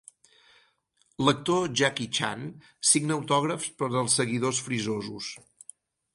l'actor Jackie Chan signa autògrafs per als seguidors frisosos.